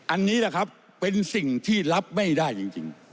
อันนี้แหละครับเป็นสิ่งที่รับไม่ได้จริง